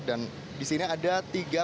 dan disini ada tiga perintah